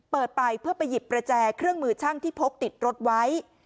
ไปเพื่อไปหยิบประแจเครื่องมือช่างที่พกติดรถไว้